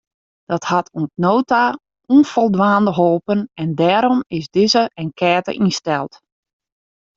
Dat hat oant no ta ûnfoldwaande holpen en dêrom is dizze enkête ynsteld.